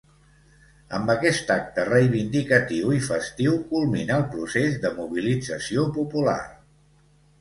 Amb aquest acte reivindicatiu i festiu culmina el procés de mobilització popular.